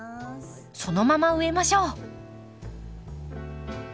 そのまま植えましょう。